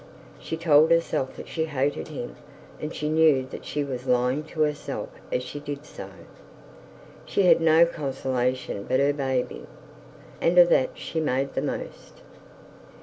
She told herself she hated him, and she knew that she was lying to herself as she did so. She had no consolation but her baby, and of that she made the most.